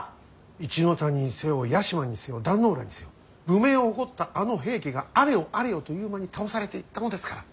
一ノ谷にせよ屋島にせよ壇ノ浦にせよ武名を誇ったあの平家があれよあれよという間に倒されていったのですから。